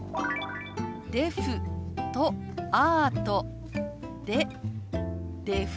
「デフ」と「アート」でデフアート。